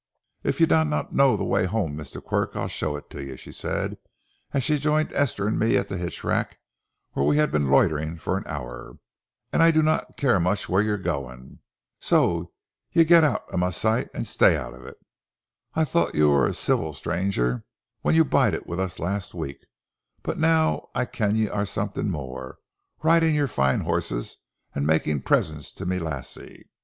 "If ye dinna ken the way hame, Mr. Quirk, I'll show it ye," she said as she joined Esther and me at the hitch rack, where we had been loitering for an hour. "And I dinna care muckle whaur ye gang, so ye get oot o' ma sight, and stay oot o' it. I thocht ye waur a ceevil stranger when ye bided wi' us last week, but noo I ken ye are something mair, ridin' your fine horses an' makin' presents tae ma lassie.